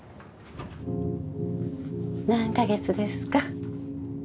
何カ月ですか？